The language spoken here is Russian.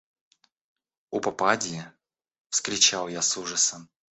– У попадьи! – вскричал я с ужасом.